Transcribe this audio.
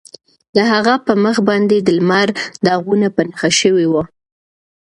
د هغه په مخ باندې د لمر داغونه په نښه شوي وو.